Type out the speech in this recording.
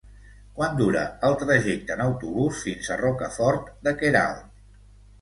Quant dura el trajecte en autobús fins a Rocafort de Queralt?